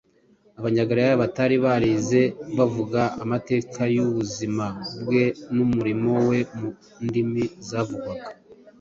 Abanyagalilaya batari barize bavuga amateka y’ubuzima bwe n’umurimo we mu ndimi zavugwaga